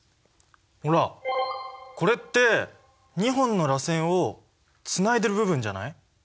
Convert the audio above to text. ほらこれって２本のらせんをつないでる部分じゃない？